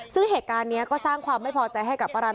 ซึ่งเหตุการณ์นี้ก็สร้างความไม่พอใจให้กับป้ารัน